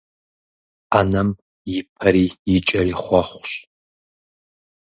Ӏэнэм и пэри и кӀэри хъуэхъущ.